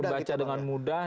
terbaca dengan mudah